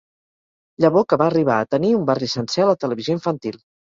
Llavor que va arribar a tenir un barri sencer a la televisió infantil.